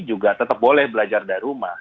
juga tetap boleh belajar dari rumah